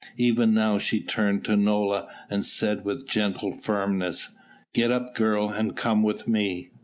Even now she turned to Nola and said with gentle firmness: "Get up, girl, and come with me."